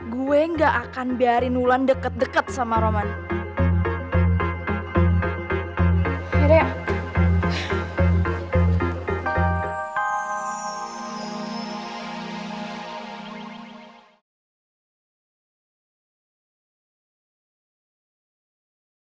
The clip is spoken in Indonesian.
gue gak akan biarin dia ngajak roman ke cafe